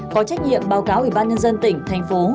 có trách nhiệm báo cáo ủy ban nhân dân tỉnh thành phố